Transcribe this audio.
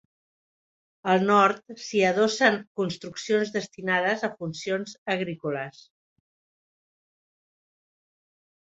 Al nord s'hi adossen construccions destinades a funcions agrícoles.